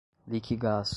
Liquigás